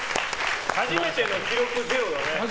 初めての記録ゼロだね。